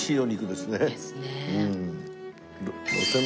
ですね。